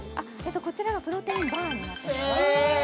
こちらがプロテインバーになっています